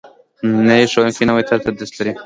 نوی ښوونکی نوی طرز تدریس لري